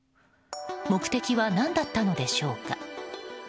目的は何だったのでしょうか。